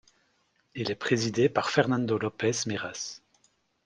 Il est présidé par Fernando López Miras.